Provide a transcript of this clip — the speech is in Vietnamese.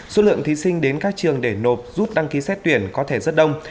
số lượng thí sinh đến các trường để nộp rút đăng ký xét tuyển có thể rất đông